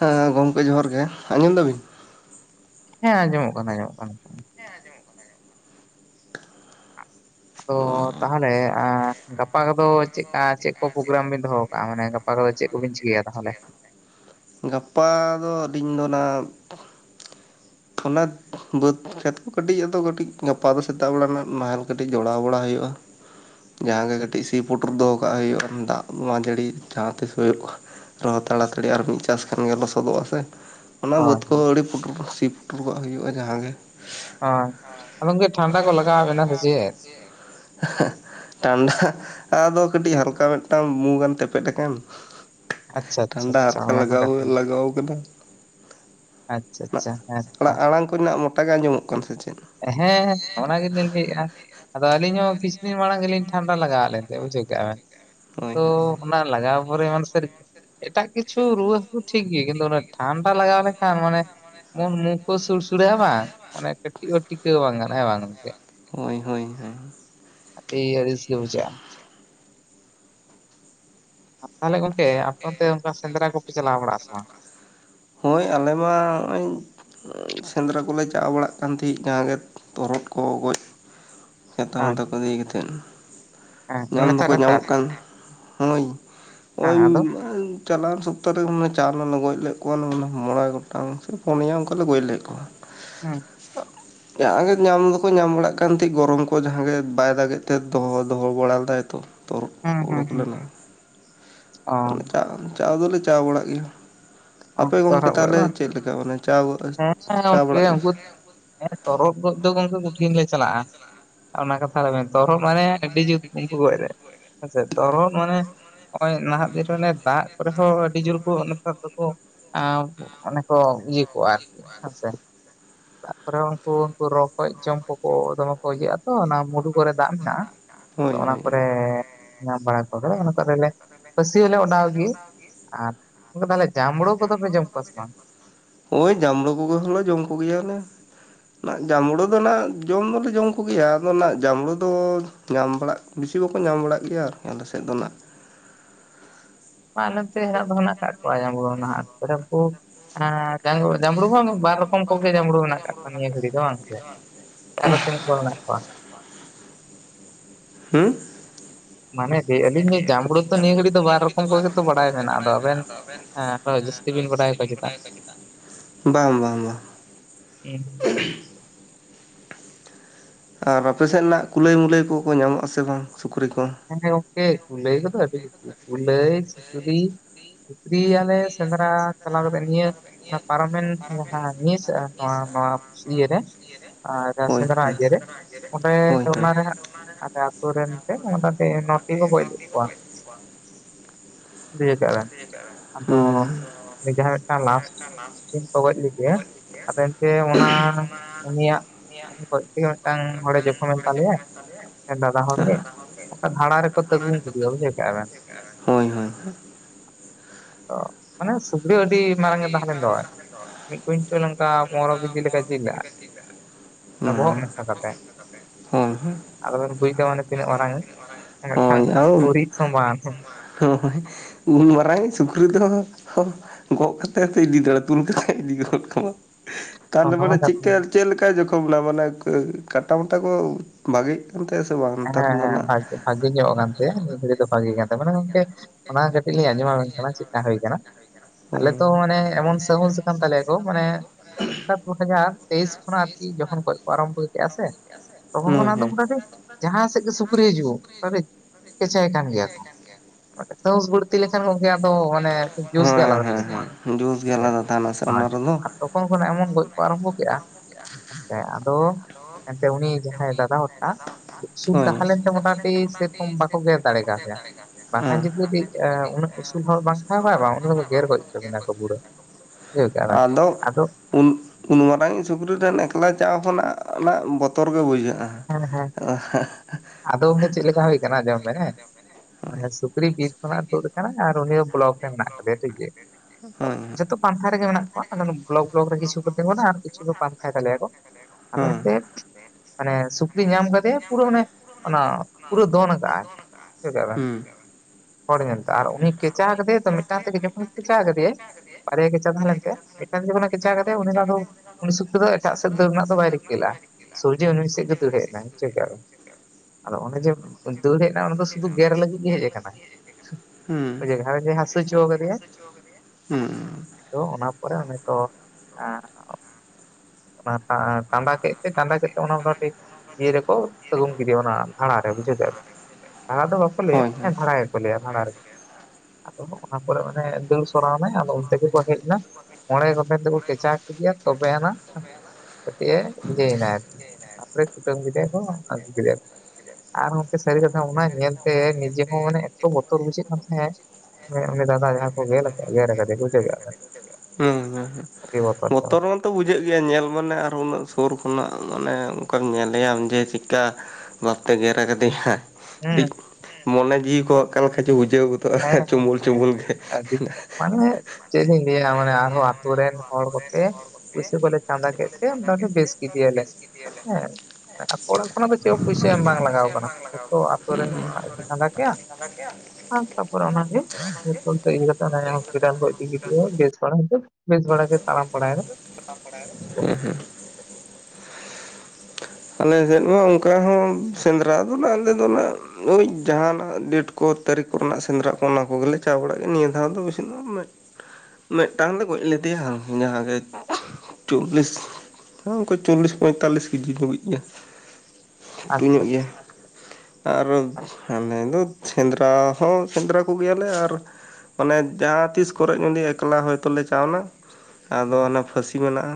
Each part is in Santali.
ᱦᱮᱸ ᱜᱚᱝᱠᱮ ᱡᱚᱦᱟᱨ ᱜᱮ ᱟᱸᱡᱚᱢ ᱫᱟ ᱵᱤᱱ ᱦᱮᱸ ᱟᱸᱡᱚᱢᱚᱜ ᱠᱟᱱᱟ ᱟᱸᱡᱚᱢᱚᱜ ᱠᱟᱱᱟ ᱚᱻ ᱟᱫᱚ ᱛᱟᱦᱚᱞᱮ ᱜᱟᱯᱟ ᱠᱚᱫᱚ ᱪᱮᱫᱠᱟ ᱪᱮᱫ ᱠᱚ ᱯᱨᱳᱜᱨᱟᱢ ᱵᱮᱱ ᱫᱚᱦᱚᱣ ᱠᱟᱫᱟ ᱢᱟᱱᱮ ᱜᱟᱯᱟ ᱠᱚᱫᱚ ᱪᱮᱫ ᱠᱚᱵᱤᱱ ᱪᱤᱠᱟᱹᱭᱟ ᱛᱟᱦᱚᱞᱮ ᱜᱟᱯᱟ ᱫᱚ ᱟᱹᱞᱤᱧ ᱫᱚ ᱚᱱᱟ ᱠᱷᱚᱱᱚᱛ ᱵᱟᱹᱫᱽ ᱠᱷᱮᱛ ᱠᱚ ᱠᱟᱹᱴᱤᱡ ᱟᱫᱚ ᱠᱟᱹᱴᱤᱡ ᱜᱟᱯᱟ ᱫᱚ ᱥᱮᱛᱟᱜ ᱵᱮᱲᱟ ᱱᱟᱦᱟᱜ ᱱᱟᱦᱮᱞ ᱠᱟᱹᱴᱤᱡ ᱡᱚᱲᱟᱣ ᱵᱟᱲᱟ ᱦᱩᱭᱩᱜ-ᱟ ᱡᱟᱦᱟᱸᱜᱮ ᱟᱪᱪᱷᱟ ᱠᱟᱹᱴᱤᱡ ᱥᱤ ᱯᱩᱚᱴᱩᱨ ᱫᱚᱦᱚ ᱠᱟᱜ ᱦᱩᱭᱩᱜ-ᱟ ᱫᱟᱜ ᱢᱟ ᱡᱟᱹᱲᱤ ᱡᱟᱦᱟᱸ ᱛᱤᱥ ᱦᱩᱭᱩᱜ-ᱟ ᱟᱨᱦᱚᱸ ᱛᱟᱲᱟᱛᱟᱲᱤ ᱟᱨ ᱢᱤᱫ ᱪᱟᱥ ᱠᱷᱟᱱ ᱜᱮ ᱞᱚᱥᱚᱫᱚᱜ-ᱟ ᱥᱮ ᱚᱱᱟ ᱦᱳᱭ ᱵᱟᱹᱫᱽ ᱠᱚ ᱟᱹᱨᱤ ᱯᱩᱴᱩᱨ ᱥᱤ ᱯᱩᱴᱩᱨ ᱠᱟᱜ ᱦᱩᱭᱩᱜ-ᱟ ᱡᱟᱦᱟᱸᱜᱮ ᱟᱹᱭ ᱟᱫᱚ ᱜᱚᱢᱠᱮ ᱴᱷᱟᱱᱰᱟ ᱠᱚ ᱞᱟᱜᱟᱣ ᱟᱫ ᱵᱮᱱᱟ ᱥᱮ ᱪᱮᱫ [unintelligible] ᱴᱟᱱᱰᱟᱦ ᱟᱫᱚ ᱠᱟᱹᱴᱤᱡ ᱦᱟᱞᱠᱟ ᱢᱤᱫᱴᱟᱝ ᱢᱩ ᱜᱟᱱ ᱛᱮᱯᱮᱫ ᱟᱠᱟᱱ ᱟᱪᱪᱷᱟ ᱟᱪᱪᱷᱟ ᱴᱷᱟᱱᱰᱟ ᱟᱪᱪᱷᱟ ᱦᱟᱨᱠᱟ ᱚᱱᱟ ᱦᱚᱸ ᱞᱟᱜᱟᱣ ᱠᱟᱛᱷᱟ ᱜᱮ᱾ ᱞᱟᱜᱟᱣ ᱠᱟᱱᱟ ᱟᱪᱪᱷᱟ ᱟᱪᱪᱷᱟ ᱦᱮᱸᱛᱚ ᱟᱲᱟᱝ ᱠᱚᱱᱟᱜ ᱢᱚᱴᱟ ᱜᱮ ᱟᱸᱡᱚᱢᱚᱜ ᱠᱟᱱᱟ ᱥᱮ ᱪᱮᱫ ᱦᱮᱸ ᱦᱮᱸ ᱚᱱᱟ ᱜᱮᱞᱤᱧ ᱞᱟᱹᱭᱮᱫ-ᱟ ᱟᱫᱚ ᱟᱹᱞᱤᱧ ᱦᱚᱸ ᱠᱤᱥᱩᱫᱤᱱ ᱢᱟᱲᱟᱝ ᱜᱮᱞᱤᱧ ᱴᱷᱟᱱᱰᱟ ᱞᱟᱜᱟᱣᱟᱫ ᱞᱤᱧ ᱛᱟᱦᱮᱱᱟ ᱵᱩᱡᱷᱟᱹᱣ ᱠᱮᱫ ᱵᱮᱱ ᱦᱳᱭ ᱛᱚ ᱦᱳᱭ ᱚᱱᱟ ᱞᱟᱜᱟᱣ ᱯᱚᱨᱮ ᱢᱟᱱ [unintelligible] ᱮᱴᱟᱜ ᱠᱤᱪᱩ ᱨᱩᱣᱟᱹ ᱦᱟᱹᱥᱩ ᱴᱷᱤᱠ ᱜᱮᱭᱟ ᱠᱤᱱᱛᱩ ᱚᱱᱮ ᱴᱷᱟᱱᱰᱟ ᱞᱟᱜᱟᱣ ᱞᱮᱠᱷᱟᱱ ᱢᱟᱱᱮ ᱮᱢᱚᱱ ᱢᱩ ᱠᱚ ᱥᱩᱲᱥᱩᱲᱟᱹᱜ-ᱟ ᱵᱟᱝ ᱢᱟᱱᱮ ᱠᱟᱹᱴᱤᱡ ᱦᱚᱸ ᱴᱤᱠᱟᱹᱣ ᱵᱟᱝ ᱜᱟᱱᱚᱜ ᱟ ᱦᱮ ᱵᱟᱝ ᱜᱚᱝᱠᱮ ᱦᱳᱭ ᱦᱳᱭ ᱦᱳᱭ ᱟᱹᱰᱤ ᱟᱹᱲᱤᱥ ᱜᱮ ᱵᱩᱡᱷᱟᱹᱜᱼᱟ ᱛᱟᱦᱚᱞᱮ ᱜᱚᱝᱠᱮ ᱟᱯᱮ ᱚᱱᱛᱮ ᱚᱱᱠᱟ ᱥᱮᱸᱫᱽᱨᱟ ᱠᱚᱯᱮ ᱪᱟᱞᱟᱣ ᱵᱟᱲᱟᱜ-ᱟ ᱥᱮ ᱵᱟᱝ ᱦᱳᱭ ᱟᱞᱮ ᱢᱟ ᱱᱚᱜ-ᱚᱭ ᱥᱮᱸᱫᱽᱨᱟ ᱠᱚᱞᱮ ᱪᱟᱣ ᱵᱟᱲᱟᱜ ᱠᱟᱱ ᱛᱟᱦᱮᱸᱫ ᱡᱟᱦᱟᱸᱜᱮ ᱛᱚᱨᱚᱫ ᱠᱚ ᱜᱚᱡ ᱪᱷᱟᱛᱟ ᱦᱮᱸ ᱢᱟᱛᱟ ᱠᱚ ᱤᱫᱤ ᱠᱟᱛᱮᱫ ᱦᱮᱸ ᱧᱟᱢ ᱱᱮᱛᱟᱨ ᱫᱚᱠᱚ ᱱᱮᱛᱟᱨ ᱧᱟᱢᱚᱜ ᱠᱟᱱ ᱦᱳᱭ ᱦᱮᱸ ᱟᱫᱚ [unintelligible] ᱪᱟᱞᱟᱣᱮᱱ ᱥᱚᱯᱛᱟ ᱨᱮ ᱢᱚᱱᱮ ᱦᱚᱭ ᱪᱟᱞᱞᱮ ᱜᱚᱡ ᱞᱮᱫ ᱠᱚᱣᱟ ᱚᱱᱮ ᱢᱚᱬᱮ ᱜᱚᱴᱟᱝ ᱥᱮ ᱯᱩᱱᱭᱟ ᱚᱱᱠᱟᱞᱮ ᱜᱚᱡ ᱞᱮᱫ ᱠᱚᱣᱟ ᱦᱩᱸ ᱡᱟ ᱜᱮ ᱧᱟᱢ ᱫᱚᱠᱚ ᱧᱟᱢ ᱵᱟᱲᱟᱜ ᱠᱟᱱ ᱛᱟᱦᱮᱸ ᱜᱚᱨᱚᱢ ᱠᱚ ᱡᱟᱦᱟ ᱜᱮ ᱵᱟᱭ ᱫᱟᱜᱮᱜ ᱛᱮ ᱫᱚᱦᱚ ᱫᱚᱦᱚ ᱵᱟᱲᱟ ᱞᱮᱫᱟᱭ ᱛᱚᱨᱦᱚᱫ ᱦᱩᱸ ᱠᱚ ᱦᱩᱸ ᱚᱰᱩᱠ ᱦᱩᱸ ᱞᱮᱱᱟ ᱚ ᱚᱱᱮ ᱚᱱᱠᱟ ᱪᱟᱞᱟᱣ ᱫᱚᱞᱮ ᱪᱟᱞᱟᱣ ᱵᱟᱲᱟᱜ ᱜᱮᱭᱟ ᱚ ᱟᱯᱮ ᱜᱚᱝᱠᱮ ᱛᱚᱨᱦᱚᱫ ᱜᱚᱡ ᱛᱟᱦᱚᱞᱮ ᱵᱟᱝ ᱪᱮᱫᱞᱮᱠᱟ ᱢᱟᱱᱮ ᱪᱟᱞᱟᱣ ᱦᱮᱸ ᱪᱟᱞᱟᱣ ᱜᱚᱝᱠᱮ ᱵᱟᱲᱟᱜ ᱜᱮᱭᱟ ᱯᱮ ᱩᱱᱠᱩ ᱦᱮᱸ ᱛᱚᱨᱦᱚᱫ ᱜᱚᱡ ᱫᱚ ᱜᱚᱝᱠᱮ ᱠᱩᱴᱷᱤᱱ ᱞᱮ ᱪᱟᱞᱟᱜᱼᱟ ᱚᱱᱟ ᱠᱟᱛᱷᱟ ᱞᱟᱹᱭ ᱛᱚᱨᱦᱚᱫ ᱢᱟᱱᱮ ᱟᱹᱰᱤ ᱡᱩᱛ ᱩᱱᱠᱩ ᱜᱚᱡ ᱨᱮ ᱦᱮᱸᱥᱮ ᱛᱚᱨᱚᱦᱚᱫ ᱢᱟᱱᱮ ᱦᱚᱜ-ᱚᱭ ᱱᱟᱦᱟᱜ ᱫᱤᱱ ᱚᱱᱮ ᱫᱟᱜ ᱠᱚᱨᱮ ᱦᱚᱸ ᱟᱹᱰᱤ ᱡᱳᱨ ᱠᱚ ᱱᱮᱛᱟᱨ ᱫᱚᱠᱚ ᱚᱸ ᱚᱱᱮ ᱠᱚ ᱤᱭᱟᱹ ᱠᱚᱜᱼᱟ ᱟᱨᱠᱤ ᱦᱮᱸᱥᱮ ᱛᱟᱯᱚᱨᱮ ᱩᱱᱠᱩ ᱩᱱᱠᱩ ᱨᱚᱠᱚᱡ ᱡᱚᱢ ᱠᱚᱠᱚ ᱫᱚᱢᱮ ᱠᱚ ᱦᱤᱡᱩᱜᱼᱟ ᱛᱚ ᱚᱱᱟ ᱢᱩᱰᱩ ᱠᱚᱨᱮ ᱫᱟᱜ ᱢᱮᱱᱟᱜᱼᱟ ᱦᱳᱭ ᱚᱱᱟ ᱦᱳᱭ ᱦᱳᱭ ᱠᱚᱨᱮ ᱧᱟᱢ ᱵᱟᱲᱟ ᱠᱚᱜᱮ ᱚᱱᱟ ᱠᱚᱨᱮ ᱞᱮ ᱯᱟᱹᱥᱤ ᱦᱚᱸᱞᱮ ᱚᱰᱟᱣ ᱜᱮ ᱟᱨ ᱛᱟᱦᱚᱞᱮ ᱡᱟᱢᱵᱲᱳ ᱠᱚᱫᱚᱯᱮ ᱡᱚᱢ ᱠᱚᱣᱟ ᱥᱮ ᱵᱟᱝ? ᱳᱭ ᱡᱟᱢᱲᱩ ᱠᱚᱜᱮ ᱦᱞᱮ ᱡᱚᱢ ᱠᱚ ᱜᱮᱭᱟ ᱞᱮ ᱱᱟᱜ ᱡᱟᱸᱵᱽᱩᱲᱩ ᱫᱚ ᱱᱟᱜ ᱡᱚᱢ ᱫᱚᱞᱮ ᱡᱚᱢ ᱠᱚᱜᱮᱭᱟ ᱟᱫᱚ ᱱᱟᱜ ᱡᱟᱸᱵᱽᱲᱩ ᱫᱚ ᱧᱟᱢ ᱵᱟᱲᱟᱜ ᱵᱤᱥᱤ ᱵᱟᱠᱚ ᱧᱟᱢ ᱵᱟᱲᱟᱜ ᱜᱮᱭᱟ ᱟᱨᱠᱤ ᱟᱞᱮᱥᱮᱫ ᱫᱚ ᱱᱟᱜ ᱟᱨ ᱱᱚᱛᱮ ᱦᱮᱱᱟᱜ ᱫᱚ ᱦᱮᱱᱟᱜ ᱠᱟᱫ ᱠᱚᱣᱟ ᱡᱟᱸᱵᱽᱲᱩ ᱦᱚᱸ ᱱᱟᱦᱟᱜ [unintelligible] ᱮ ᱡᱟᱸᱜᱲᱩ ᱡᱟᱸᱵᱽᱲᱩ ᱦᱚᱸ ᱵᱟᱨ ᱨᱚᱠᱚᱢ ᱠᱚᱜᱮ ᱡᱟᱸᱵᱽᱲᱩ ᱢᱮᱱᱟᱜ ᱠᱟᱜ ᱠᱚᱣᱟ ᱱᱤᱭᱟᱹ ᱜᱷᱟᱹᱲᱤ ᱫᱚ ᱵᱟᱝ ᱥᱮ ᱟᱨᱚ ᱛᱤᱱᱟᱹᱜ ᱠᱚ ᱢᱮᱱᱟᱜ ᱠᱚᱣᱟ ᱦᱩᱸ ᱢᱟᱱᱮ ᱪᱮᱫ ᱟᱹᱞᱤᱧ ᱫᱚ ᱡᱟᱢᱲᱳ ᱫᱚ ᱱᱤᱭᱟᱹ ᱜᱷᱟᱹᱲᱤᱡ ᱫᱚ ᱵᱟᱨ ᱨᱚᱠᱚᱢ ᱠᱚᱜᱮ ᱛᱚ ᱵᱟᱲᱟᱭ ᱢᱮᱱᱟᱜᱼᱟ ᱟᱫᱚ ᱟᱵᱮᱱ ᱡᱟᱹᱥᱛᱤ ᱦᱮᱸ ᱵᱤᱱ ᱵᱟᱰᱟᱭ ᱠᱚᱣᱟ ᱪᱮᱫᱟᱜ? ᱦᱳᱭ [unintelligible] ᱵᱟᱝ ᱵᱟᱝ ᱵᱟ ᱦᱮᱸ ᱟᱨ ᱟᱯᱮᱥᱮᱫ ᱱᱟᱜ ᱠᱩᱞᱟᱹᱭ ᱢᱩᱞᱟᱹᱭ ᱠᱚᱠᱚ ᱧᱟᱢᱚᱜ ᱟᱥᱮ ᱵᱟᱝ ᱥᱩᱠᱨᱤ ᱠᱚ ᱦᱮᱸ ᱜᱚᱝᱠᱮ ᱠᱩᱞᱟᱹᱭ ᱠᱚᱫᱚ ᱟᱹᱰᱤ ᱵᱮᱥᱤ ᱠᱩᱞᱟᱹᱭ ᱥᱩᱠᱨᱤ ᱥᱩᱠᱨᱤ ᱟᱞᱮ ᱥᱮᱸᱫᱽᱨᱟ ᱪᱟᱞᱟᱣ ᱠᱟᱛᱮᱫ ᱱᱤᱭᱟᱹ ᱤᱭᱟᱹ ᱚᱱᱟ ᱯᱟᱨᱚᱢᱮᱱ ᱯᱟᱨᱟᱢᱮᱱ ᱡᱟᱦᱟᱸ ᱱᱤᱭᱟᱹ [unintelligible] ᱥᱮ ᱱᱚᱣᱟ ᱱᱚᱣᱟ ᱤᱭᱟᱹ ᱨᱮ ᱨᱟ ᱡᱟᱦᱟᱸ ᱥᱮᱸᱫᱨᱟ ᱤᱭᱟᱹ ᱨᱮ ᱚᱸᱰᱮ ᱦᱳᱭ ᱦᱳᱭ ᱦᱳᱭ ᱚᱱᱟᱨᱮ ᱦᱟᱸᱜ ᱟᱞᱮ ᱟᱹᱛᱩ ᱨᱮᱱ ᱛᱮ ᱱᱚᱰᱮ [unintelligible] ᱠᱚ ᱜᱚᱡ ᱞᱮᱫ ᱠᱟᱣᱟ ᱵᱩᱡᱷᱟᱹᱣ ᱠᱮᱫᱟ ᱵᱮᱱ ᱟᱫᱚ ᱩᱱᱤ ᱡᱟᱦᱟᱸ ᱢᱤᱫᱴᱟᱝ ᱞᱟᱥᱴ ᱚᱱᱟ ᱞᱟᱞ ᱫᱤᱱ ᱠᱚ ᱜᱚᱡ ᱞᱮᱫᱮᱭᱟ ᱛᱚᱜᱚᱡ [inaudible] ᱟᱫᱚ ᱮᱱᱛᱮ ᱚᱱᱟ ᱩᱱᱤᱭᱟᱜ ᱩᱱᱤ ᱜᱚᱡ ᱛᱮᱜᱮ ᱢᱤᱫᱴᱟᱝ ᱦᱚᱲᱮ ᱡᱚᱠᱷᱚᱢᱮᱱ ᱛᱟᱞᱮᱭᱟ ᱫᱟᱫᱟ ᱦᱚᱲ ᱜᱮ ᱚᱱᱠᱟ [unintelligible] ᱫᱷᱟᱲᱟ ᱨᱮᱠᱚ ᱫᱷᱟᱲᱟ ᱛᱟᱹᱜᱩᱢ ᱨᱮ ᱠᱚ ᱛᱟᱯᱤᱧ ᱵᱩᱡᱷᱟᱹᱣ ᱠᱮᱜᱼᱟ ᱠᱮᱫᱮᱭᱟ ᱵᱩᱡᱷᱟᱣ ᱠᱮ-ᱟ ᱵᱮᱱ ᱦᱳᱭ ᱦᱳᱭ ᱦᱳᱭ ᱛᱚ ᱢᱟᱱᱮ ᱥᱩᱠᱨᱤ ᱟᱹᱰᱤ ᱢᱟᱨᱟᱝ ᱮ ᱛᱟᱦᱮ ᱟᱰᱤ ᱢᱟᱨᱟᱝ-ᱮ ᱛᱟᱦᱮᱸ ᱞᱮᱱ ᱫᱚᱭ ᱦᱩᱭᱩᱜ ᱪᱚ ᱯᱚᱱᱨᱚ ᱱᱚᱝᱠᱟ ᱞᱮᱠᱟ ᱯᱳᱱᱨᱚ ᱡᱤᱞ ᱠᱮᱡᱤ ᱞᱟᱜᱼᱟ ᱞᱮᱠᱟᱭ ᱡᱤᱞ-ᱟ ᱵᱚᱦᱚᱜ ᱢᱮᱥᱟ ᱠᱟᱛᱮᱫ ᱦᱳᱭ ᱟᱫᱚ ᱵᱮᱱ ᱵᱩᱡᱽᱫᱟ ᱢᱟᱱᱮ ᱛᱤᱱᱟᱹᱜ ᱢᱟᱨᱟᱝ ᱟᱭ ᱢᱤᱫᱴᱷᱟᱝ ᱩᱨᱤᱡ ᱥᱚᱢᱟᱱ ᱦᱳ ᱩᱱ ᱢᱟᱨᱟᱝ-ᱤᱡ ᱥᱩᱠᱨᱤ ᱫᱚ ᱜᱚᱜ ᱠᱟᱛᱮᱫ ᱤᱫᱤ ᱫᱟᱲᱮ ᱛᱩᱞ ᱠᱟᱛᱮᱫ ᱤᱫᱤ ᱜᱚᱫ ᱠᱟᱢᱟ ᱚᱱᱟ ᱢᱟ ᱢᱟᱱᱮ ᱠᱟᱛᱷᱟ ᱪᱮᱫ ᱜᱮ ᱞᱮᱠᱟ ᱪᱮᱫ ᱠᱟᱭ ᱡᱚᱠᱷᱚᱢ ᱱᱟ ᱢᱟᱱᱮ ᱠᱟᱴᱟ ᱢᱟᱴᱟ ᱠᱚ ᱵᱷᱟᱜᱮ ᱮᱱ ᱛᱟᱭᱟ ᱥᱮ ᱵᱟᱝ? ᱦᱮᱸ ᱱᱮᱛᱟᱨ ᱫᱚ ᱦᱮᱸ ᱱᱟᱜ ᱵᱷᱟᱜᱤ ᱧᱚᱜ ᱠᱟᱱ ᱛᱟᱭᱟ ᱱᱤᱭᱟᱹ ᱜᱷᱟᱹᱲᱤᱡ ᱫᱚ ᱵᱷᱟᱜᱮ ᱠᱟᱱ ᱛᱟᱭᱟ ᱢᱟᱱᱮ ᱜᱚᱝᱠᱮ ᱚᱱᱟ ᱠᱟᱹᱴᱤᱡ ᱞᱤᱧ ᱟᱸᱡᱚᱢ ᱟᱵᱮᱱ ᱠᱟᱱᱟ ᱪᱮᱫᱠᱟ ᱦᱩᱭ ᱠᱟᱱᱟ ᱦᱳᱭ ᱟᱞᱮ ᱦᱳᱭ ᱛᱚ ᱢᱟᱱᱮ ᱮᱢᱚᱱ ᱥᱟᱹᱢᱳᱥ ᱠᱟᱱ ᱛᱟᱞᱮᱭᱟ ᱛᱚ ᱢᱟᱱᱮ ᱚᱠᱟ ᱫᱩ ᱦᱟᱡᱟᱨ ᱛᱮᱭᱤᱥ ᱠᱷᱚᱱᱟᱜ ᱟᱨᱠᱤ ᱡᱚᱠᱷᱚᱱ ᱜᱚᱡ ᱠᱚ ᱟᱨᱟᱢᱵᱷᱚ ᱠᱮᱫᱼᱟ ᱥᱮ ᱛᱚᱠᱷᱚᱱ ᱦᱳᱭ ᱠᱷᱚᱱᱟᱜ ᱟᱫᱚ ᱦᱳᱭ ᱢᱚᱴᱟ-ᱢᱩᱴᱤ ᱡᱟᱸᱦᱟ ᱥᱮᱫ ᱜᱮ ᱥᱩᱠᱨᱤ ᱦᱤᱡᱩᱜᱼᱟ ᱠᱮᱪᱟᱭ ᱠᱟᱱ ᱜᱮ ᱜᱮᱭᱟᱠᱚ ᱥᱟᱸᱦᱚᱥ ᱵᱟᱹᱲᱛᱤ ᱞᱮᱠᱷᱟᱱ ᱜᱚᱢᱠᱮ ᱟᱫᱚ ᱢᱟᱱᱮ ᱡᱳᱥ ᱜᱮ ᱟᱞᱟᱫᱟ ᱠᱚ ᱮᱢᱟᱜ-ᱟ ᱡᱳᱥ ᱜᱮ ᱟᱞᱟᱫᱟ ᱛᱟᱦᱮᱱᱟ ᱥᱮ ᱚᱱᱟ ᱨᱮᱫᱚ ᱟᱨ ᱛᱚᱠᱷᱚᱱ ᱠᱷᱚᱱᱟᱜ ᱮᱢᱚᱱ ᱜᱚᱡ ᱠᱚ ᱟᱨᱟᱢᱵᱷᱚ ᱠᱮᱫᱼᱟ ᱮᱱᱛᱮ ᱟᱫᱚ ᱮᱱᱛᱮ ᱩᱱᱤ ᱡᱟᱦᱟᱸᱭ ᱫᱟᱫᱟ ᱦᱚᱲ ᱩᱥᱩᱞ ᱦᱳᱭ ᱛᱟᱦᱮᱸ ᱞᱮᱱᱛᱮ ᱢᱚᱴᱟᱢᱩᱴᱤ ᱥᱮᱨᱚᱠᱚᱢ ᱵᱟᱠᱚ ᱜᱮᱨ ᱫᱟᱲᱮ ᱠᱟᱣᱫᱮᱭᱟ ᱵᱟᱝᱠᱷᱟᱱ ᱦᱮᱸ ᱡᱩᱫᱤ ᱩᱱᱟᱹᱜ ᱩᱥᱩᱞ ᱦᱚᱲ ᱵᱟᱝ ᱠᱷᱟᱭ ᱵᱟᱝ ᱩᱱᱤ ᱫᱚ ᱠᱚ ᱜᱮᱨ ᱜᱚᱡ ᱛᱟᱵᱤᱱᱟ ᱠᱚ ᱯᱩᱨᱟᱹ ᱵᱩᱡᱷᱟᱹᱣ ᱠᱮ-ᱟ ᱵᱮᱱ ᱟᱫᱚ ᱩᱱ ᱩᱱ ᱢᱟᱨᱟᱝᱤᱡ ᱥᱩᱠᱨᱤ ᱴᱷᱮᱱ ᱮᱠᱞᱟ ᱪᱟᱶ ᱠᱷᱚᱱᱟᱜ ᱱᱟᱜ ᱵᱚᱛᱚᱨ ᱜᱮ ᱵᱩᱡᱷᱟᱹᱜᱼᱟ ᱦᱮᱸ ᱦᱮᱸ ᱟᱫᱚ ᱩᱱ ᱫᱚ ᱪᱮᱫ ᱞᱮᱠᱟ ᱦᱩᱭ ᱟᱠᱟᱱᱟ ᱟᱸᱡᱚᱢ ᱵᱮᱱ ᱦᱮ ᱥᱩᱠᱨᱤ ᱵᱤᱨ ᱠᱷᱚᱱᱟᱜ ᱛᱩᱫ ᱟᱠᱟᱱᱟ ᱟᱨ ᱩᱱᱤ ᱦᱚᱸ ᱵᱞᱚᱠ ᱨᱮ ᱢᱮᱱᱟᱜ ᱠᱟᱫᱮᱭᱟ ᱴᱷᱤᱠ ᱜᱮᱭᱟ ᱦᱳᱭ ᱡᱚᱛᱚ ᱯᱟᱱᱛᱷᱟ ᱨᱮᱜᱮ ᱢᱮᱱᱟᱜ ᱠᱚᱣᱟ ᱟᱫᱚ ᱵᱞᱚᱠ ᱵᱞᱚᱠ ᱨᱮ ᱠᱤᱪᱷᱩ ᱠᱚ ᱛᱤᱸᱜᱩᱱᱟ ᱟᱨ ᱠᱤᱪᱷᱩ ᱫᱚ ᱯᱟᱱᱛᱷᱟᱭ ᱛᱟᱞᱮᱭᱟ ᱠᱚ ᱟᱫᱚ ᱦᱳᱭ ᱮᱱᱛᱮᱫ ᱢᱟᱱᱮ ᱥᱩᱠᱨᱤ ᱧᱟᱢ ᱠᱟᱫᱮᱭᱟᱭ ᱯᱩᱨᱟᱹ ᱢᱟᱱᱮ ᱚᱱᱟ ᱯᱩᱨᱟᱹ ᱫᱚᱱ ᱠᱟᱜᱼᱟᱭ ᱵᱩᱡᱷᱟᱹᱣ ᱠᱮᱫᱟ ᱵᱮᱱ ᱦᱩᱸ ᱦᱟᱲ ᱧᱮᱞᱛᱮ ᱟᱨ ᱩᱱᱤ ᱠᱮᱪᱟ ᱠᱟᱛᱮᱫ ᱵᱟᱨᱭᱟ ᱠᱮᱪᱟ ᱛᱟᱦᱮᱸ ᱞᱮᱱᱛᱮ ᱢᱤᱫᱴᱟᱝ ᱡᱚᱠᱷᱚᱱᱮ ᱠᱮᱪᱟ ᱠᱟᱫᱮᱭᱟ ᱩᱱᱤ [unintelligible] ᱫᱚ ᱩᱱᱤ ᱥᱩᱠᱨᱤ ᱫᱚ ᱮᱴᱟᱜ ᱥᱮᱫ ᱫᱟᱹᱲ ᱨᱮᱱᱟᱜ ᱫᱚ ᱵᱟᱭ ᱨᱤᱠᱟᱹ ᱞᱮᱫᱟ ᱵᱮᱱ ᱟᱫᱚ ᱚᱱᱮ ᱡᱮ ᱫᱟᱹᱲ ᱦᱮᱡ ᱮᱱᱟ ᱚᱱᱟ ᱫᱚ ᱥᱩᱫᱷᱩ ᱜᱮᱨ ᱞᱟᱹᱜᱤᱫ [unintelligible] [unintelligible] ᱦᱮᱸ ᱟᱨ ᱡᱮ ᱦᱟᱹᱥᱩ ᱦᱚᱪᱚ ᱠᱟᱫᱮᱭᱟ ᱦᱩᱸ ᱟᱫᱚ ᱚᱱᱟ ᱯᱚᱨᱮ ᱚᱱᱮ ᱠᱚ ᱴᱟᱱᱰᱟ ᱠᱮᱫ ᱛᱮ [unintelligible] ᱚᱱᱟ ᱠᱟᱴᱤᱡ ᱤᱭᱟᱹ ᱨᱮᱠᱚ ᱥᱟᱹᱜᱩᱱ ᱠᱮᱫᱮᱭᱟ ᱚᱱᱟ ᱟᱲᱟᱨ ᱨᱮ ᱵᱩᱡᱷᱟᱹᱣ ᱵᱷᱟᱲᱟ ᱫᱚ ᱵᱟᱠᱚ ᱞᱟᱹᱭᱟ ᱦᱳᱭ ᱦᱳᱭ ᱦᱮᱸ ᱫᱷᱟᱲᱟ ᱜᱮᱠᱚ ᱞᱟᱹᱭᱟ ᱵᱷᱟᱲᱟ ᱨᱮᱜᱮ ᱟᱫᱚ ᱚᱱᱟ ᱯᱚᱨᱮ ᱚᱱᱮ ᱫᱟᱹᱲ ᱥᱚᱨᱚᱨᱟᱣ ᱮᱱᱟ ᱟᱫᱚ ᱚᱱᱛᱮ ᱜᱮ ᱠᱚ ᱦᱮᱡ ᱮᱱᱟ ᱢᱚᱬᱮ ᱜᱚᱴᱮᱱ ᱛᱮᱠᱚ ᱠᱮᱪᱟ ᱠᱮᱫᱮᱭᱟ ᱛᱚᱵᱮ ᱟᱱᱟᱜ ᱠᱟᱹᱴᱤᱡ ᱮ ᱤᱡᱟᱹᱭᱮᱱᱟ ᱟᱨᱠᱤ ᱛᱟᱨᱯᱚᱨᱮ ᱠᱩᱴᱟᱹᱢ ᱠᱮᱫᱮᱭᱟᱠᱚ ᱟᱹᱜᱩ ᱠᱮᱫᱭᱟᱠᱚ ᱟᱨ ᱜᱚᱝᱠᱮ ᱥᱟᱹᱨᱤ ᱠᱟᱛᱷᱟ ᱚᱱᱟ ᱧᱮᱞ ᱛᱮ ᱱᱤᱡᱮ ᱦᱚᱸ ᱢᱟᱱᱮ ᱮᱛᱚ ᱵᱚᱛᱚᱨ ᱵᱩᱡᱷᱟᱹᱜ ᱠᱟᱱ ᱛᱟᱦᱮᱸᱫ ᱟᱞᱮ ᱫᱟᱫᱟ ᱡᱟᱦᱟᱸ ᱠᱚ ᱜᱮᱨ ᱟᱠᱟᱫ ᱫᱮᱭᱟ ᱠᱚ ᱵᱩᱡᱷᱟᱹᱣ ᱠᱮᱫ ᱟᱵᱤᱱ ᱦᱩᱸ ᱦᱩᱸ ᱦᱩᱸ ᱟᱰᱤ ᱵᱚᱛᱚᱨ ᱪᱟᱵᱟᱜ-ᱟ ᱵᱚᱛᱚᱨ ᱛᱚ ᱵᱩᱡᱷᱟᱹᱜ ᱜᱮᱭᱟ ᱧᱮᱞ ᱢᱟᱱᱮ ᱟᱨ ᱩᱱᱟᱹᱜ ᱥᱩᱨ ᱠᱷᱚᱱᱟᱜ ᱢᱟᱱᱮ ᱚᱱᱠᱟ ᱧᱮᱞᱮᱭᱟᱢ ᱡᱮ ᱪᱮᱫ ᱞᱮᱠᱟ ᱵᱟᱷᱯᱛᱮ ᱜᱮᱨ ᱟᱠᱟᱫᱤᱭᱟ ᱦᱩᱸ ᱠᱟᱹᱴᱤᱡ ᱢᱚᱱᱮ ᱡᱤᱣᱤ ᱠᱚ ᱚᱠᱟ ᱞᱮᱠᱟ ᱪᱚ ᱵᱩᱡᱷᱟᱹᱣ ᱜᱚᱫᱚᱜᱼᱟ ᱦᱮᱸ ᱪᱩᱢᱩᱞ ᱦᱮᱸ ᱪᱩᱢᱩᱞ ᱜᱮ ᱟᱹᱰᱤ ᱢᱟᱱᱮ ᱪᱮᱫᱤᱧ ᱞᱟᱹᱭᱟ ᱢᱟᱱᱮ ᱟᱨᱦᱚᱸ ᱟᱛᱳ ᱨᱮᱱ ᱦᱚᱲ ᱠᱚᱛᱮ ᱯᱩᱭᱥᱟᱹ ᱠᱚᱞᱮ ᱪᱟᱸᱫᱟ ᱠᱮᱫ ᱮ ᱵᱮᱥ ᱠᱮᱫᱤᱫᱤᱭᱟᱞᱮ ᱦᱮᱸ ᱟᱠᱚ ᱚᱲᱟᱜ ᱠᱷᱚᱱᱟᱜ ᱫᱚ ᱪᱮᱫ ᱯᱩᱭᱥᱟᱹ ᱮᱢ ᱵᱟᱝ ᱞᱟᱜᱟᱣ ᱟᱠᱟᱱᱟ ᱛᱚ ᱟᱛᱳ ᱨᱮᱱ ᱜᱮᱠᱚ ᱪᱟᱸᱫᱟ ᱠᱮᱜᱼᱟ ᱪᱟᱸᱫᱟ ᱠᱮᱫᱼᱟ ᱛᱟᱯᱚᱨ ᱚᱱᱟᱜᱮ ᱡᱮ ᱤᱭᱟᱹ ᱠᱟᱛᱮ ᱦᱚᱥᱯᱤᱴᱟᱞ ᱠᱚ ᱤᱫᱤ ᱠᱮᱫᱮᱭᱟ ᱵᱮᱥ ᱵᱟᱲᱟ ᱦᱚᱪᱚ ᱵᱮᱥ ᱵᱟᱲᱟ ᱜᱮ ᱛᱟᱲᱟᱢ ᱵᱟᱲᱟ ᱮᱫᱟᱭ ᱦᱩᱸ ᱦᱩᱸ [unintelligible] ᱟᱞᱮ ᱥᱮᱫ ᱢᱟ ᱚᱱᱠᱟ ᱦᱚᱸ ᱥᱮᱸᱫᱽᱨᱟ ᱫᱚ ᱟᱞᱮ ᱫᱚ ᱱᱟᱦᱟᱜ ᱳᱭ ᱡᱟᱦᱟᱱᱟᱜ ᱰᱮᱴ ᱠᱚ ᱛᱟᱹᱨᱤᱠᱷ ᱠᱚᱨᱮᱱᱟᱜ ᱥᱮᱸᱫᱽᱨᱟ ᱠᱚ ᱚᱱᱟ ᱠᱚᱜᱮᱞᱮ ᱪᱟᱞᱟᱣ ᱵᱟᱲᱟᱜ ᱜᱮᱭᱟ ᱱᱤᱭᱟᱹ ᱫᱷᱟᱣ ᱫᱚ ᱵᱮᱥᱤ ᱫᱚ ᱢᱤᱫᱴᱟᱝ ᱞᱮ ᱜᱚᱡ ᱞᱮᱫᱮᱭᱟ ᱡᱟᱦᱟᱸ ᱜᱮ ᱪᱚᱞᱤᱥ ᱚᱭ ᱪᱚᱞᱤᱥ ᱯᱚᱸᱭᱛᱟᱞᱤᱥ ᱠᱮᱡᱤ ᱧᱩᱜᱤᱡ ᱜᱮ ᱞᱟᱴᱩ ᱟᱪᱪᱷᱟ ᱟᱪᱪᱷᱟ ᱧᱚᱜ ᱜᱮᱭᱟ ᱟᱨ ᱟᱞᱮ ᱫᱚ ᱥᱮᱸᱫᱽᱨᱟ ᱦᱚᱸ ᱥᱮᱸᱫᱽᱨᱟ ᱠᱚᱜᱮᱭᱟᱞᱮ ᱟᱨ ᱢᱟᱱᱮ ᱡᱟᱦᱟᱸ ᱛᱤᱥ ᱠᱚᱨᱮ ᱡᱩᱫᱤ ᱮᱠᱞᱟ ᱦᱚᱭᱛᱚ ᱞᱮ ᱪᱟᱞᱟᱣ ᱮᱱᱟ ᱟᱫᱚ ᱚᱱᱮ ᱯᱷᱟᱹᱥᱤ ᱢᱮᱱᱟᱜᱼᱟ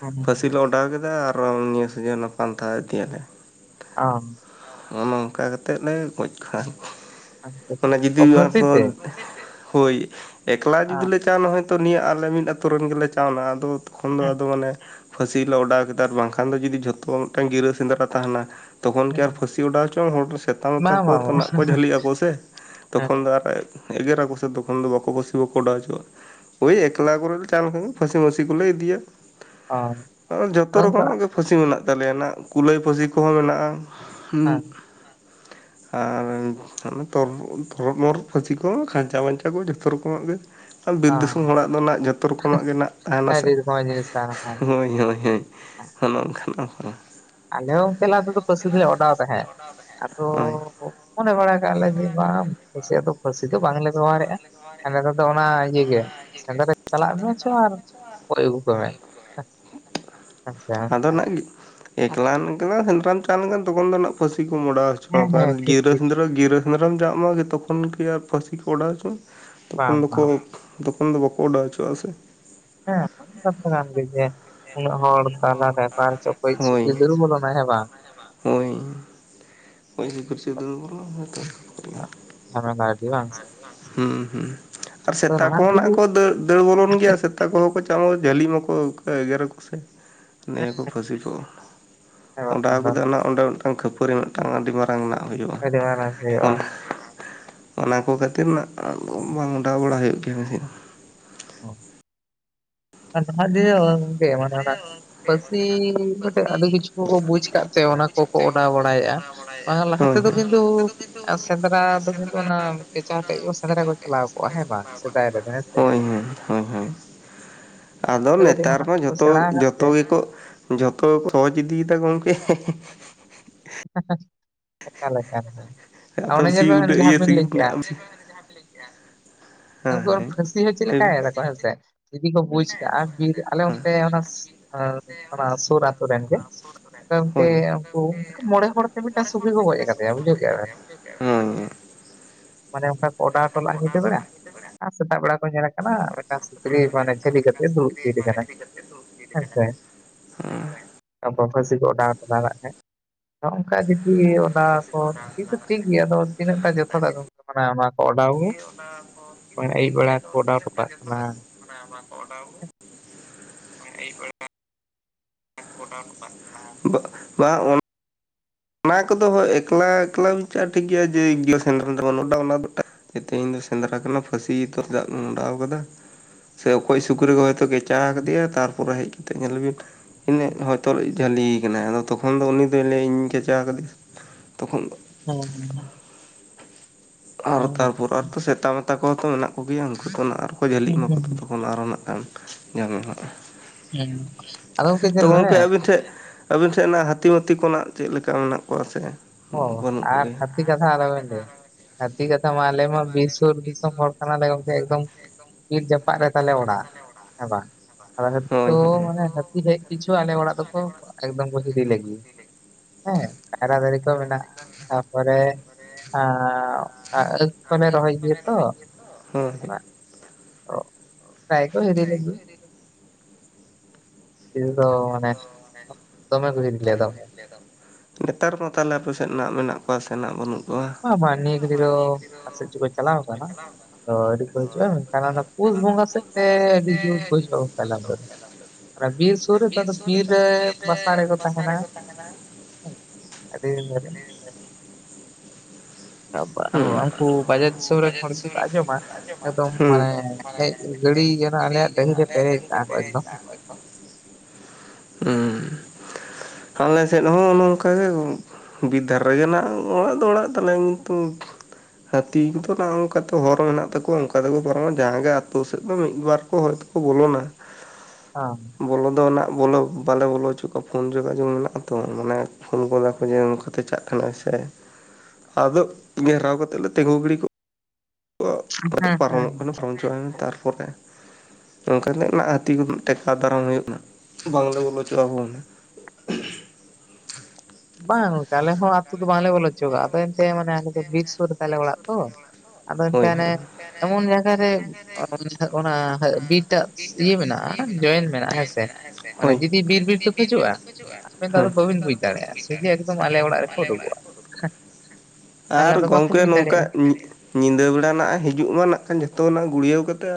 ᱦᱮᱸ ᱦᱮᱸ ᱯᱷᱟᱹᱥᱤ ᱞᱮ ᱚᱰᱟᱣ ᱠᱮᱫᱟ ᱟᱨ ᱱᱤᱭᱟᱹ ᱥᱚᱡᱮ ᱯᱟᱱᱛᱷᱟ ᱤᱫᱤᱭᱟᱞᱮ ᱟᱢ ᱱᱚᱜᱼ ᱱᱚᱝᱠᱟ ᱠᱟᱛᱮᱫ ᱞᱮ ᱜᱚᱡ ᱠᱚᱣᱟ ᱟᱪᱪᱷᱟ ᱢᱟᱱᱮ ᱡᱩᱫᱤ ᱚ ᱯᱷᱟᱹᱥᱤ ᱛᱮ ᱦᱩᱭᱩᱜᱟ ᱦᱳᱭ ᱮᱠᱞᱟ ᱡᱩᱫᱤ ᱦᱮᱸ ᱞᱮ ᱪᱟᱞᱟᱣ ᱮᱱᱟ ᱦᱚᱭ ᱱᱤᱭᱟᱹ ᱟᱞᱮ ᱢᱤᱫ ᱟᱹᱛᱩᱱᱨᱮᱱ ᱜᱮᱞᱮ ᱪᱟᱞᱣ ᱮᱱᱟ ᱟᱫᱚ ᱛᱚᱠᱷᱚᱱ ᱫᱚ ᱟᱫᱚ ᱢᱟᱱᱮ ᱯᱷᱟᱹᱥᱤ ᱞᱮ ᱚᱰᱟᱣ ᱠᱮᱫᱟ ᱵᱟᱝᱠᱷᱟᱱ ᱫᱚ ᱡᱩᱫᱤ ᱡᱷᱚᱛᱚ ᱢᱤᱫᱴᱮᱱ ᱜᱤᱨᱟᱹ ᱥᱮᱸᱫᱽᱨᱟ ᱛᱟᱦᱮᱱᱟ ᱛᱚᱠᱷᱚᱱ ᱠᱤ ᱦᱮᱸ ᱟᱨ ᱯᱷᱟᱹᱥᱤ ᱚᱰᱟᱣᱪᱚᱝ ᱦᱚᱲ ᱥᱮᱛᱟ ᱢᱮᱛᱟ ᱵᱟᱝ ᱠᱚ ᱵᱟᱝ ᱵᱟᱝ ᱛᱟᱱᱟᱜ ᱠᱚ ᱡᱷᱟᱹᱞᱤᱜ ᱟᱠᱚ ᱥᱮ ᱦᱮᱸ ᱛᱚᱠᱷᱚᱱ ᱫᱚ ᱟᱨ ᱮᱜᱮᱨᱟ ᱠᱚ ᱥᱮ ᱛᱠᱷᱚᱱ ᱫᱚ ᱵᱟᱠᱚ ᱠᱟᱠᱚ ᱯᱟᱥᱤ ᱵᱟᱠᱚ ᱳᱰᱟᱣ ᱦᱚᱪᱚ ᱟᱜ-ᱟ ᱳᱭ ᱮᱠᱞᱟ ᱠᱚᱨᱮ ᱪᱟᱞᱟᱣ ᱞᱮᱱᱠᱷᱟᱱ ᱜᱮ ᱯᱷᱟᱥᱤ ᱢᱟᱥᱤ ᱠᱚ ᱞᱮ ᱤᱫᱤᱭᱮ ᱚ ᱟᱨ ᱡᱚᱛᱚ ᱟᱫᱚ ᱩᱱᱤ ᱫᱚ ᱨᱚᱠᱚᱢ ᱟᱜ ᱜᱮ ᱯᱷᱟᱹᱥᱤ ᱢᱮᱱᱟᱜ ᱛᱟᱞᱮᱭᱟ ᱠᱩᱞᱟᱹᱭ ᱯᱷᱟᱹᱥᱤ ᱠᱚᱦᱚᱸ ᱢᱮᱱᱟᱜᱼᱟ ᱦᱮᱸ [unintelligible] ᱟᱨ ᱛᱚᱨᱚᱫ ᱢᱚᱨᱚᱫ ᱯᱷᱟᱹᱥᱤ ᱠᱚ ᱠᱷᱟᱧᱪᱟᱼ ᱢᱟᱧᱪᱟ ᱠᱚ ᱡᱚᱛᱚ ᱨᱚᱠᱚᱢᱟᱜ ᱜᱮ ᱟᱨ ᱵᱤᱨ ᱫᱤᱥᱚᱢ ᱚ ᱦᱚᱲᱟᱜ ᱫᱚ ᱱᱟᱜ ᱡᱚᱛᱚ ᱨᱚᱠᱚᱢᱟᱜ ᱨᱮᱱᱟᱜ ᱛᱟᱦᱮᱱᱟ ᱥᱮ ᱟᱹᱰᱤ ᱨᱚᱠᱚᱢᱟᱜ ᱡᱤᱱᱤᱥ ᱛᱟᱦᱮᱱᱟ ᱦᱳᱭ ᱦᱚᱭ ᱦᱚᱭ ᱥᱮᱱᱚᱜ ᱠᱷᱟᱱᱮᱢ ᱦᱟᱸᱜ ᱟᱞᱮ ᱦᱚᱸ ᱞᱟᱦᱟ ᱛᱮᱫᱚ ᱯᱟᱹᱥᱤᱩ ᱫᱚᱞᱮ ᱚᱰᱟᱣ ᱛᱟᱦᱮᱸᱫ ᱟᱫᱚ ᱦᱳᱭ ᱢᱚᱱᱮ ᱵᱟᱲᱟ ᱠᱟᱜ ᱞᱮ ᱡᱮ, ᱵᱟᱝ ᱠᱷᱮᱥᱤᱭᱟᱜ ᱫᱚ ᱯᱷᱟᱹᱥᱤ ᱫᱚ ᱵᱟᱝᱞᱮ ᱵᱮᱣᱦᱟᱨᱮᱜᱼᱟ ᱾ ᱱᱮᱛᱟᱨ ᱫᱚ ᱚᱱᱟ ᱤᱭᱟᱹᱜᱮ ᱥᱮᱸᱫᱽᱨᱟ ᱪᱟᱞᱟᱜ ᱢᱮ ᱪᱚ ᱟᱨ ᱜᱚᱡ ᱟᱹᱜᱩ ᱠᱚᱢᱮ ᱾ ᱟᱫᱚ ᱱᱟᱜ ᱜᱮ ᱮᱠᱞᱟ ᱮᱠᱞᱟᱢ ᱥᱮᱸᱫᱽᱨᱟᱢ ᱪᱟᱞᱟᱣ ᱞᱮᱱᱠᱷᱟᱱ ᱛᱚᱠᱷᱚᱱ ᱫᱚ ᱯᱟᱹᱥᱤ ᱠᱚ ᱚᱰᱟᱣ ᱦᱮᱸ ᱦᱚᱪᱚᱣᱟᱠᱚᱣᱟ ᱟᱨ ᱦᱮᱸ ᱴᱷᱤᱠ ᱜᱤᱨᱟᱹ ᱴᱷᱤᱠ ᱥᱮᱸᱫᱽᱨᱟᱹ ᱜᱤᱨᱟᱹ ᱥᱮᱸᱫᱽᱨᱟᱢ ᱪᱟ ᱢᱟᱱᱮ ᱛᱚᱠᱷᱚᱱ ᱜᱮ ᱟᱨ ᱯᱷᱟᱹᱥᱤ ᱠᱚ ᱚᱰᱟᱣ ᱦᱚᱪᱚ ᱛᱚᱠᱷᱚᱱ ᱵᱟᱝ ᱫᱚᱠᱚ ᱵᱟᱝ ᱛᱚᱠᱷᱚᱱ ᱫᱚ ᱵᱟᱠᱚ ᱚᱰᱟᱣ ᱦᱚᱪᱚᱣᱟᱜ-ᱟ ᱥᱮ ᱾ ᱦᱮᱸ ᱥᱟᱯᱨᱟᱢ ᱜᱮᱡᱮᱨ ᱩᱱᱟᱹᱜ ᱦᱚᱲ ᱛᱟᱞᱟᱨᱮ ᱚᱠᱟᱨᱮ ᱪᱚ ᱚᱠᱚᱭ ᱪᱤᱠᱟᱹ ᱫᱟᱸᱲ ᱵᱚᱞᱱᱟ ᱦᱮᱸ ᱵᱟᱝ? ᱦᱚᱭ ᱾ ᱵᱟᱭ [unintelligible] ᱠᱩᱨᱤᱪ [unintelligible] ᱦᱟᱨᱟ ᱱᱟᱭ ᱫᱮᱣᱟᱥ ᱦᱩᱸ ᱦᱩᱸ ᱟᱨ ᱥᱮᱛᱟ ᱠᱚᱦᱚᱸ ᱫᱤᱱ ᱱᱟᱦᱟᱜ ᱠᱚ ᱫᱟᱹᱲ ᱫᱟᱹᱲ ᱵᱚᱞᱚᱱ ᱜᱮᱭᱟ ᱥᱮ ᱛᱟ ᱠᱚᱦᱚᱸ ᱠᱚ ᱪᱟᱢ ᱡᱷᱟᱹᱞᱤ ᱢᱟᱠᱚ ᱜᱮᱨᱟ ᱠᱚ ᱥᱮ ᱱᱤᱭᱟᱹ ᱠᱚ ᱯᱷᱟᱹᱥᱤ ᱠᱚ ᱦᱮᱸ ᱚᱰᱟᱣ ᱵᱟᱠᱷᱟᱱ ᱫᱚ ᱠᱟᱫᱟ ᱚᱱᱟ ᱚᱸᱰᱮ ᱢᱤᱫᱴᱟᱝ ᱠᱷᱟᱹᱯᱟᱹᱨᱤ ᱢᱤᱫᱴᱟᱝ ᱟᱹᱰᱤ ᱢᱟᱨᱟᱝ ᱢᱮᱱᱟᱜ ᱦᱩᱭᱩᱜᱼᱟ ᱟᱹᱰᱤ ᱢᱟᱨᱟᱝ ᱦᱩᱭᱩᱜᱼᱟ ᱚᱱᱟ ᱾ ᱚᱱᱟ ᱠᱚ ᱠᱷᱟᱹᱛᱤᱨ ᱱᱟᱜ ᱵᱟᱝ ᱚᱰᱟᱣ ᱵᱟᱲᱟ ᱦᱩᱭᱩᱜ ᱜᱮᱭᱟ ᱢᱮᱥᱤᱱ ᱾ ᱦᱚᱸᱜ ᱟᱨ ᱠᱟᱛᱷᱟ ᱡᱮ ᱚ ᱜᱚᱢᱠᱮ ᱢᱟᱱᱮ ᱚᱱᱟ ᱯᱟᱹᱥᱤ ᱢᱤᱫ ᱵᱟᱨᱴᱮᱡ ᱟᱹᱰᱤ ᱠᱤᱪᱷᱩ ᱠᱚ ᱵᱩᱡᱽ ᱠᱟᱫ ᱛᱮ ᱚᱱᱟ ᱠᱚᱠᱚ ᱚᱰᱟᱣ ᱵᱟᱲᱟᱭᱮᱫᱼᱟ ᱟᱨ ‌ ᱮ, ᱞᱟᱦᱟ ᱦᱳᱭ ᱛᱮᱫᱚ ᱠᱤᱱᱛᱩ ᱟᱨ ᱥᱮᱸᱫᱽᱨᱟ ᱫᱚ ᱠᱤᱱᱛᱩ ᱚᱱᱟ ᱠᱮᱪᱟ ᱟᱛᱮᱫ ᱜᱮ ᱥᱮᱸᱫᱽᱨᱟ ᱠᱚ ᱪᱟᱞᱟᱣ ᱠᱚᱜᱼᱟ, ᱦᱮᱸ ᱵᱟᱝ, ᱥᱮᱫᱟᱭ ᱨᱮᱫᱚ ᱦᱮᱸ ᱥᱮ? ᱦᱚᱭ ᱦᱚᱭ, ᱟᱫᱚ ᱠᱟᱹᱴᱤᱡ ᱚᱱᱟ ᱱᱮᱛᱟᱨ ᱢᱟ ᱠᱚᱠᱚ ᱥᱮᱬᱟ ᱡᱚᱛᱚ ᱟᱠᱟᱫ ᱛᱮ ᱡᱚᱛᱚ ᱜᱮᱠᱚ ᱡᱚᱛᱚ ᱠᱚ ᱦᱚᱡ ᱤᱫᱤᱭᱮᱫᱟ ᱜᱚᱝᱠᱮ ᱾ ᱦᱮ ᱦᱮ ᱦᱮ ᱦᱮ ᱦᱮ ᱮᱠᱟᱞ-ᱮᱠᱟᱞ ᱚᱱᱮ ᱟᱫᱚ ᱵᱮᱥᱤ ᱡᱮ ᱩᱰᱟᱹᱜ ᱡᱟᱦᱟᱸ ᱤᱭᱟᱹ ᱵᱮᱱ ᱞᱟᱹᱭ ᱥᱟᱺᱜᱤᱧ ᱠᱮᱜᱼᱟ ᱨᱮᱱᱟᱜ ᱦᱮᱸ ᱦᱮᱸ ᱞᱟᱹᱭ ᱵᱤᱱ ᱾ ᱩᱱᱠᱩ ᱯᱷᱟᱥᱤ ᱦᱚᱸ ᱪᱮᱫ ᱦᱮᱸ ᱞᱮᱠᱟᱭ ᱫᱟ? ᱵᱟᱲᱟᱭᱟᱢ ᱥᱮ ᱡᱩᱫᱤ ᱠᱚ ᱵᱩᱡᱽ ᱠᱟᱜᱼᱟ ᱟᱨ ᱵᱤᱨ ᱟᱞᱮ ᱚᱱᱛᱮ ᱚᱱᱟ ᱚᱱᱟ ᱥᱩᱨ ᱟᱹᱛᱩ ᱥᱩᱨᱮᱱ ᱜᱮ ᱜᱚᱝᱠᱮ ᱦᱳᱭ ᱚᱱᱛᱮ ᱩᱱᱠᱩ ᱢᱚᱬᱮᱸ ᱦᱚᱲ ᱛᱮ ᱢᱤᱫᱴᱟᱝ ᱥᱩᱠᱨᱤ ᱠᱚ ᱜᱚᱡ ᱟᱠᱟᱫᱮᱟ ᱵᱩᱡᱷᱟᱹᱣ ᱠᱮᱜ-ᱟ ᱵᱮᱱ ᱾ ᱢᱟᱱᱮ ᱚᱱᱠᱟ ᱠᱚ ᱚᱰᱟᱣ ᱚᱴᱚ ᱞᱮᱫ-ᱟ ᱧᱤᱫᱟᱹ ᱵᱮᱲᱟ ᱟᱨ ᱥᱮᱛᱟᱜ ᱵᱮᱲᱟ ᱠᱚ ᱧᱮᱞᱮ ᱠᱟᱱᱟ ᱾ ᱥᱮᱛᱟᱜ ᱵᱮᱲᱟ ᱠᱚ ᱧᱮᱞᱮ ᱠᱟᱱᱟ ᱢᱤᱫᱴᱟᱝ ᱥᱩᱠᱨᱤ ᱱᱚᱰᱮ ᱦᱮᱡ ᱠᱟᱱᱟᱭ ᱠᱟᱛᱮ ᱫᱩᱲᱩᱵ ᱛᱷᱤᱨ ᱟᱠᱟᱱᱟ ᱾ ᱦᱩᱨᱻ ᱟᱠᱚ ᱯᱷᱟᱥᱤ ᱠᱚ ᱚᱰᱟᱣ ᱚᱴᱚᱠᱟᱜ-ᱟ ᱥᱮ ᱦᱚᱸᱜᱼᱚ ᱚᱝᱠᱟ ᱡᱩᱫᱤ ᱚᱰᱟᱣ ᱠᱚ ᱴᱷᱤᱠ ᱫᱚ ᱴᱷᱤᱠ ᱜᱮᱭᱟ ᱟᱫᱚ ᱛᱤᱱᱟᱹᱜ ᱡᱚᱛᱷᱟᱛᱟ ᱜᱚᱝᱠᱮ ᱚᱱᱟ ᱢᱟ? ᱚᱱᱟ ᱫᱚ ᱴᱷᱤᱠ ᱫᱚ ᱴᱷᱟᱠ ᱵᱮᱲᱟ ᱜᱮᱭᱟ ᱟᱫᱚ ᱠᱚ ᱚᱰᱟᱣ ᱦᱚᱴᱚ ᱛᱤᱱᱟᱹᱜ ᱠᱟᱜ ᱠᱟᱱᱟ ᱡᱚᱛᱚᱟᱜ-ᱟ ᱚᱱᱟ ᱢᱟ ᱠᱚ ᱚᱰᱟᱣ ᱾ ᱚᱰᱟᱣ ᱚᱴᱚᱠᱟᱜ ᱠᱷᱟᱡ ᱵᱟᱜ ᱵᱟ ᱚᱱᱟ ᱚᱱᱟ ᱠᱚᱫᱚ ᱦᱚᱭ ᱮᱠᱞᱟ ᱮᱠᱞᱟ ᱢᱟᱪᱷᱟ ᱴᱷᱤᱠ ᱫᱚ ᱴᱷᱤᱠ ᱜᱮᱭᱟ ᱡᱮ ᱜᱤᱞᱟᱹᱥ ᱥᱮᱱᱫᱨᱚᱱ ᱮᱫᱟ ᱚᱱᱟ ᱫᱚ ᱾ ᱛᱮᱦᱮᱧ ᱫᱚ ᱥᱮᱸᱫᱽᱨᱟ ᱠᱟᱱᱟ ᱯᱟᱹᱥᱤ ᱛᱚ ᱫᱟᱜ ᱤᱧ ᱚᱰᱟᱣ ᱟᱠᱟᱫᱟ ᱥᱮ ᱚᱠᱚᱭ ᱥᱩᱠᱨᱤ ᱜᱚᱡ ᱠᱷᱚᱪᱟ ᱠᱮᱫᱮᱭᱟ ᱛᱟᱨᱯᱚᱨᱮ ᱦᱮᱡ ᱠᱟᱛᱮ ᱧᱮᱞᱵᱤᱱ ᱤᱱᱟᱹᱜ ᱦᱚᱭᱛᱚ ᱡᱷᱟᱹᱞᱤᱭ ᱠᱟᱱᱟᱭ ᱟᱫᱚ ᱛᱚᱠᱷᱚᱱ ᱫᱚ ᱩᱱᱤ ᱫᱚᱭ ᱤᱧ ᱠᱷᱮᱪᱟ ᱟᱠᱟᱫᱮᱭᱟ ᱛᱚᱠᱷᱚᱱ ᱫᱚ ᱦᱩᱸ ᱦᱩᱸ ᱾ ᱟᱨ ᱛᱟᱨᱯᱚᱨ ᱠᱟᱱᱟ ᱟᱨᱚ ᱥᱮᱛᱟ ᱢᱮᱛᱟ ᱠᱚ ᱛᱚ ᱢᱮᱱᱟᱜ ᱠᱚᱜᱮᱭᱟ, ᱩᱱᱠᱩ ᱫᱚ ᱱᱟᱜ ᱟᱨᱠᱚ ᱡᱷᱟᱹᱞᱤᱜ ᱦᱩᱸ ᱢᱟᱠᱚ ᱦᱩᱸ ᱛᱚ ᱦᱩᱸ ᱛᱚᱠᱷᱚᱱ ᱟᱨᱦᱚᱸ ᱱᱟᱜ ᱠᱷᱟᱱ ᱧᱮᱞ ᱢᱮ ᱦᱟᱸᱜ ᱦᱩᱸ ᱟᱫᱚ ᱾ ᱛᱚ ᱧᱮᱞ ᱢᱮ ᱜᱚᱝᱠᱮ ᱟᱵᱤᱱ ᱴᱷᱮᱡ ᱟᱹᱵᱤᱱ ᱴᱷᱮᱡ ᱚᱱᱟ ᱦᱟᱹᱛᱤ ᱢᱟᱹᱛᱤ ᱠᱚᱱᱟᱜ ᱪᱮᱫ ᱞᱮᱠᱟ ᱢᱮᱱᱟᱜ ᱠᱚᱣᱟ ᱥᱮ? ᱚ, ᱵᱟᱹᱱᱩᱜ ᱟᱨ ᱦᱟᱯ ᱠᱚᱜᱮᱭᱟ ᱦᱟᱹᱛᱤ ᱠᱟᱛᱷᱟ ᱟᱞᱮᱚᱵᱮᱱ ᱞᱟᱹᱭᱟ, ᱦᱟᱹᱛᱤ ᱠᱟᱛᱷᱟ ᱢᱟ ᱟᱞᱮ ᱢᱟ ᱵᱤᱨ ᱥᱩᱨ ᱫᱤᱥᱚᱢ ᱦᱚᱲ ᱠᱟᱱᱟᱞᱮ ᱜᱚᱝᱠᱮ ᱮᱠᱫᱚᱢ ᱵᱤᱨ ᱡᱟᱯᱟᱜ ᱨᱮ ᱛᱟᱞᱮ ᱚᱲᱟᱜ ᱾ ᱦᱮᱸ ᱵᱟᱝ? ᱟᱫᱚ ᱡᱚᱛᱚ ᱦᱳᱭ ᱦᱳᱭ ᱦᱳᱭ ᱢᱟᱱᱮ ᱦᱟᱹᱛᱤ ᱦᱮᱡ ᱯᱤᱪᱷᱩ ᱟᱞᱮ ᱚᱲᱟᱜ ᱫᱚᱠᱚ ᱮᱠᱫᱚᱢ ᱠᱚ ᱦᱤᱨᱤ ᱞᱮᱜᱮᱭᱟ ᱾ ᱦᱮᱸ ᱠᱟᱭᱨᱟ ᱫᱟᱨᱮ ᱫᱚ ᱢᱮᱱᱟᱜᱼᱟ ᱛᱟᱯᱚᱨᱮ ᱟ ᱮᱠ ᱯᱚᱨᱮ ᱨᱚᱦᱚᱭᱟ ᱜᱮᱭᱟ ᱛᱚ ᱦᱚᱸ ᱦᱚᱸᱜ ᱚᱜ ᱛᱟᱭ ᱠᱚ ᱦᱤᱨᱤ ᱞᱟᱹᱜᱤᱫ ᱦᱟᱸᱛᱤ ᱫᱚ ᱢᱟᱱᱮ ᱫᱚᱢᱮ ᱠᱚ ᱦᱤᱨᱤ ᱞᱮᱭᱟ ᱫᱚᱢᱮ ᱾ ᱡ [unintelligible] ᱱᱮᱛᱟᱨ ᱢᱟ ᱛᱟᱞᱮ ᱟᱯᱮ ᱥᱮᱫ ᱢᱮᱱᱟᱜ ᱠᱚᱣᱟ ᱥᱮ ᱱᱟᱜ ᱵᱟᱹᱱᱩᱜ ᱠᱚᱣᱟ ᱵᱟᱝ ᱱᱤᱭᱟᱹ ᱛᱮᱜᱮ ᱫᱚ ᱟᱥᱮ ᱪᱚ ᱠᱚ ᱪᱟᱞᱟᱣ ᱟᱠᱟᱱᱟ ᱟᱹᱰᱤ [unintelligible] ᱚᱱᱟ ᱯᱩᱥ ᱵᱚᱸᱜᱟ ᱥᱮᱫ ᱛᱮ ᱡᱳᱨ ᱠᱚ ᱦᱤᱡᱩᱜᱼᱟ ᱜᱚᱝᱠᱮ ᱟᱞᱮ ᱚᱱᱛᱮ ᱫᱚ ᱚᱱᱟ ᱵᱤᱨ ᱥᱩᱨ ᱨᱮ ᱛᱚ ᱵᱤᱨ ᱟᱫᱚ ᱥᱩᱨᱨᱮ ᱱᱮᱛᱟᱨ ᱨᱮ ᱫᱚᱠᱚ ᱵᱤᱨ ᱵᱟᱥᱟ ᱨᱮᱠᱚ ᱯᱷᱟᱠᱟ ᱛᱟᱦᱮᱱᱟ ᱨᱮᱠᱚ ᱛᱟᱦᱮᱱᱟ [unintelligible] [inaudible] [inaudible] ᱩᱱᱠᱩ ᱵᱟᱡᱟᱨ ᱫᱤᱥᱚᱢ ᱨᱮᱱ ᱦᱚᱲ ᱜᱮᱠᱚ ᱟᱸᱡᱚᱢᱟ ᱮᱠᱫᱚᱢ ᱢᱟᱱᱮ ᱦᱮᱡ ᱜᱤᱰᱤ ᱟᱠᱟᱱᱟ ᱡᱮᱱᱚ ᱟᱞᱮᱭᱟᱜ ᱰᱟᱹᱦᱤ ᱯᱮᱨᱮᱡ ᱠᱚ ᱮᱠᱫᱚᱢ ᱦᱩᱸ ᱟᱞᱮ ᱥᱮᱫ ᱦᱚᱸ ᱱᱚᱝᱠᱟ ᱜᱮ ᱾ ᱵᱤᱨ ᱫᱷᱟᱨᱮ ᱨᱮᱜᱮ ᱱᱟᱦᱜ ᱚᱲᱟᱜ ᱫᱚ ᱚᱲᱟᱜ ᱛᱟᱞᱮ ᱠᱤᱱᱛᱩ ᱦᱟᱹᱛᱤ ᱠᱚᱫᱚ ᱱᱚᱜ ᱱᱚᱝᱠᱟᱛᱮ ᱦᱚᱨ ᱢᱮᱱᱟᱜ ᱛᱟᱠᱚᱣᱟ ᱚᱱᱠᱟ ᱚᱠᱟ ᱛᱮᱠᱚ ᱯᱟᱨᱚᱢᱟ ᱡᱟᱦᱟᱸ ᱜᱮ ᱟᱛᱳ ᱥᱮᱫ ᱫᱚ ᱢᱤᱫ ᱵᱟᱨ ᱠᱚ ᱦᱚᱭᱛᱠᱚ ᱵᱚᱞᱚᱱᱟ ᱟ ᱵᱚᱞᱚ ᱫᱚ ᱵᱚᱞᱚ ᱵᱟᱞᱮ ᱵᱚᱞᱚ ᱚᱪᱚ ᱠᱚᱣᱟ ᱯᱷᱳᱱ ᱡᱳᱜᱟᱡᱳᱜᱽ ᱢᱮᱱᱟᱜ ᱛᱚ ᱢᱟᱱᱮ ᱯᱷᱩᱱ ᱠᱚ ᱫᱟ ᱠᱚ ᱡᱮ ᱱᱚᱱᱠᱟᱛᱮ ᱪᱟᱜ ᱠᱟᱱᱟ ᱥᱮ ᱟᱫᱚ ᱜᱷᱮᱨᱟᱣ ᱠᱟᱛᱮ ᱞᱮ ᱛᱤᱸᱜᱩ ᱜᱤᱲᱤ ᱠᱚᱜ ᱦᱮᱸ ᱦᱮᱸ ᱯᱟᱨᱚᱢᱚᱜ ᱠᱟᱱᱟ ᱯᱟᱨᱚᱢ ᱦᱚᱪᱚᱣ ᱛᱟᱨᱯᱚᱨᱮ ᱚᱱᱠᱟ ᱜᱮ ᱚᱱᱟ ᱦᱟᱹᱛᱤ ᱠᱚ ᱴᱮᱠᱟᱣ ᱫᱟᱨᱟᱢ ᱦᱩᱭᱩᱜ ᱠᱟᱱᱟ ᱵᱟᱝᱞᱮ ᱵᱚᱞᱚ ᱦᱚᱪᱚᱣᱟᱵᱚᱱᱟ ᱵᱟᱝ ᱟᱞᱮ ᱦᱚᱸ ᱟᱛᱳ ᱫᱚ ᱵᱟᱝᱞᱮ ᱵᱚᱞᱚ ᱟᱫᱚ ᱮᱱᱛᱮ ᱢᱟᱱᱮ ᱟᱞᱮ ᱫᱚ ᱵᱤᱨ ᱥᱩᱨ ᱨᱮ ᱛᱟᱞᱮ ᱚᱲᱟᱜ ᱛᱚ ᱟᱫᱚ ᱦᱳᱭ ᱮᱱᱛᱮ ᱦᱳᱭ ᱮᱢᱚᱱ ᱡᱟᱭᱜᱟᱨᱮ ᱚᱱᱟ ᱵᱤᱨᱴᱟᱜ ᱤᱭᱟᱹ ᱢᱮᱱᱟᱜᱼᱟ ᱡᱚᱭᱮᱱ ᱢᱮᱱᱟᱜᱼᱟ ᱦᱮᱸ ᱥᱮ ᱢᱟᱱᱮ ᱦᱳᱭ ᱡᱩᱫᱤ ᱵᱤᱨ ᱵᱤᱨ ᱛᱮᱠᱚ ᱦᱤᱡᱩᱜᱼᱟ ᱟᱵᱮᱱ ᱫᱚ ᱦᱳᱭ ᱟᱫᱚ ᱵᱟᱹᱵᱤᱱ ᱵᱩᱡᱽ ᱫᱟᱲᱮᱭᱟᱜᱼᱟ ᱥᱚᱡᱮ ᱮᱠᱫᱚᱢ ᱟᱞᱮ ᱚᱲᱟᱜ ᱨᱮᱠᱚ ᱩᱰᱩᱠᱚᱜᱼᱟ ᱛᱟᱦᱚᱞᱮ ᱟᱨ ᱟᱫᱚ ᱵᱟᱠᱚ ᱜᱚᱝᱠᱮ ᱵᱩᱡᱽ ᱫᱟᱲᱮᱭᱟᱜᱼᱟ ᱱᱚᱝᱠᱟ ᱧᱤᱫᱟᱹ ᱵᱮᱲᱟ ᱦᱤᱡᱩᱜ ᱢᱟ ᱱᱟᱜ ᱠᱷᱟᱱ ᱡᱚᱛᱚᱱᱟᱜ ᱜᱩᱲᱭᱟᱹᱣ ᱠᱟᱛᱮ